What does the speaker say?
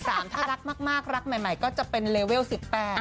ถ้ารักมากรักใหม่ก็จะเป็นเลเวล๑๘